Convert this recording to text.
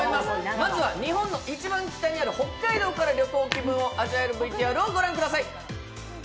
まずは日本の一番北にある北海道から旅行気分を味わえるＶＴＲを御覧ください。